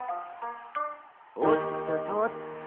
「おっととっと」